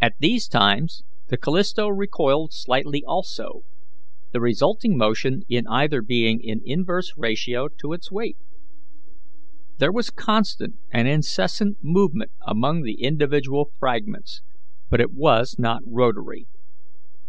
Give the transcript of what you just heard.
At these times the Callisto recoiled slightly also, the resulting motion in either being in inverse ratio to its weight. There was constant and incessant movement among the individual fragments, but it was not rotary.